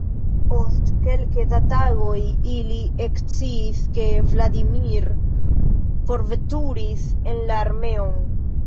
Post kelke da tagoj ili eksciis, ke Vladimir forveturis en la armeon.